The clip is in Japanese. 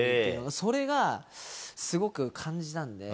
それがすごく感じたんで。